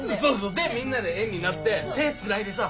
でみんなで円になって手つないでさ。